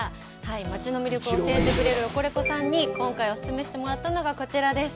町の魅力を教えてくれるロコレコさんに今回お勧めしてもらったのがこちらです。